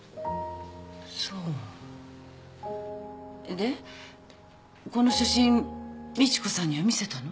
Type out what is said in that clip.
でこの写真美知子さんには見せたの？